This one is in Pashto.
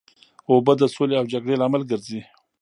اوبه د سولې او جګړې لامل ګرځي.